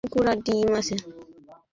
তাঁর অপ্রকাশিত রচনাবলীর সংখ্যা অনেক।